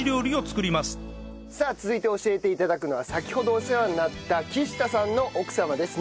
さあ続いて教えて頂くのは先ほどお世話になった木下さんの奥様です。